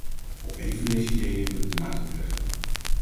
Op een van deze ideeën wil ik de nadruk leggen.